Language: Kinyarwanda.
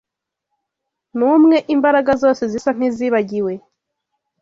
ni umwe imbaraga zose zisa nkizibagiwe